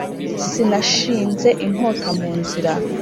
Sinashinze inkoto mu nzira